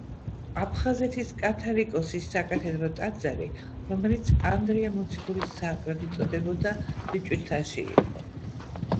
აფხაზეთის კათალიკოსის საკათედრო ტაძარი, რომელიც ანდრია მოციქულის საყდრად იწოდებოდა, ბიჭვინთაში იყო.